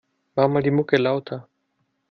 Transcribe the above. Mach mal die Mucke lauter.